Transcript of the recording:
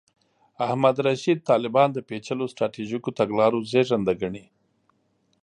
احمد رشید طالبان د پېچلو سټراټیژیکو تګلارو زېږنده ګڼي.